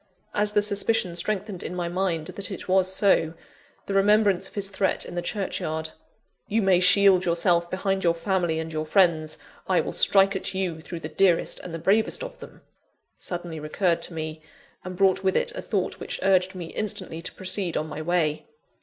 As the suspicion strengthened in my mind that it was so, the remembrance of his threat in the churchyard: "You may shield yourself behind your family and your friends: I will strike at you through the dearest and the bravest of them " suddenly recurred to me; and brought with it a thought which urged me instantly to proceed on my way.